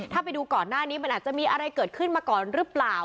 ถ้าไปดูก่อนหน้านี้มันอาจจะมีอะไรเกิดขึ้นมาก่อนหรือเปล่า